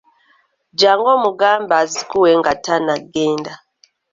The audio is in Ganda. Jjangu omugambe azikuwe nga tannagenda.